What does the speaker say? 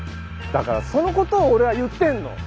だからそのことを俺は言ってんの。